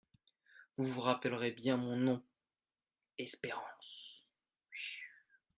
Vous vous rappellerez bien mon nom : Espérance.